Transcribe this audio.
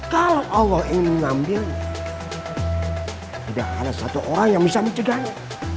kalau allah ingin mengambilnya tidak ada satu orang yang bisa mencegahnya